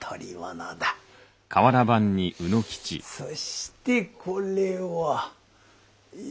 そしてこれは。